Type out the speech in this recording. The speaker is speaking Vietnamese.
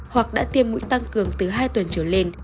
hoặc đã tiêm mũi tăng cường từ hai tuần trở lên